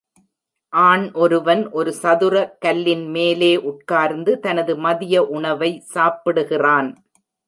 ஆண் ஒருவன் ஒரு சதுர கல்லின் மேலே உட்கார்ந்து தனது மதிய உணவை சாப்பிடுகிறான்.